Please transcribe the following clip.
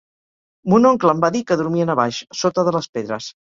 Mon oncle em va dir que dormien a baix, sota de les pedres.